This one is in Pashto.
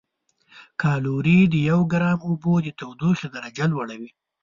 کالوري د یو ګرام اوبو د تودوخې درجه لوړوي.